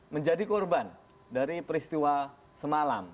menjadi korban dari peristiwa semalam